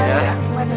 iya mari sebentar